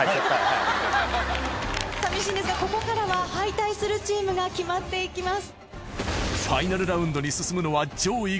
寂しいんですがここからは敗退するチームが決まっていきます。